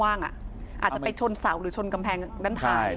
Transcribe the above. อาจจะไปชนเสาหรือชนกำแพงด้านท้าย